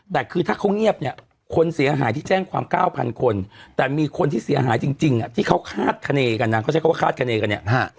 แต่คือถ้าเขาเงียบเนี่ยคนเสียหายที่แจ้งความ๙๐๐คนแต่มีคนที่เสียหายจริงที่เขาคาดคณีกันนะเขาใช้คำว่าคาดคณีกันเนี่ย